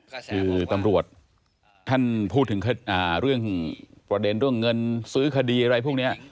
คือตำรวจท่านพูดถึงเรื่องประเด็นเรื่องเงินซื้อคดีอะไรพวกนี้